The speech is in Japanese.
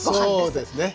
そうですねはい。